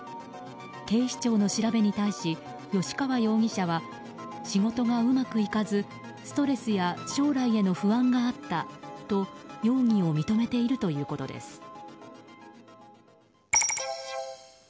警視庁の調べに対し吉川容疑者は仕事がうまくいかずストレスや将来への不安があったと容疑を認めているということです。